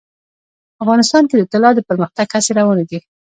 افغانستان کې د طلا د پرمختګ هڅې روانې دي.